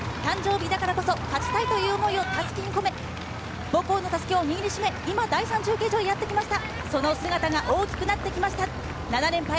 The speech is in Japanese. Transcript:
誕生日だからこそ勝ちたいという思いを襷に込め、母校の襷を握りしめ、今第３中継所へ、やってきました。